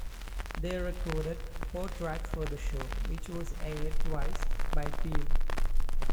They recorded four tracks for the show which was aired twice by Peel.